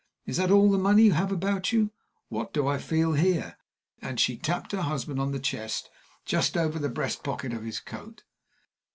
Is that all the money you have about you? What do I feel here?" and she tapped her husband on the chest, just over the breast pocket of his coat.